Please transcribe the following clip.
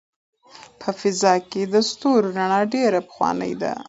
په فضا کې د ستورو رڼا ډېره پخوانۍ ده.